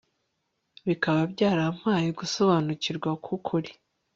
bikaba byarampaye gusobanukirwa kwukuri